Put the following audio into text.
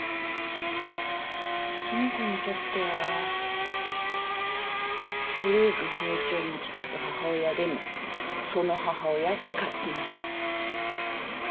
その子にとってはすぐ包丁を持ち出す母親でもその母親しかいない。